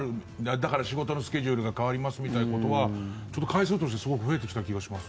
だから仕事のスケジュールが変わりますみたいなことはちょっと回数としてすごく増えてきたと思います。